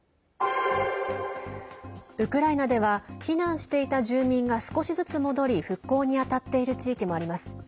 ウクライナでは避難していた住民が少しずつ戻り復興に当たっている地域もあります。